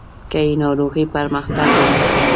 که یې ناروغي پرمختګ ونه کړي.